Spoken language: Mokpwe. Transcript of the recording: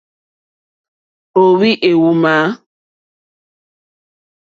Ò óhwī éhwùmà.